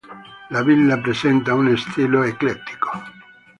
La villa presenta uno stile eclettico.